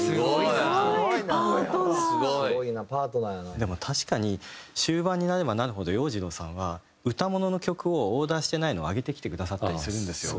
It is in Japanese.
でも確かに終盤になればなるほど洋次郎さんは歌モノの曲をオーダーしてないのを上げてきてくださったりするんですよ。